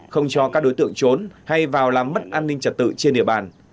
không cho các đối tượng trốn hay vào làm mất an ninh trật tự trên địa bàn